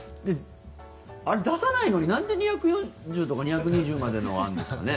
あれ、出さないのになんで２４０ｋｍとか２２０ｋｍまでのあるんだろうね。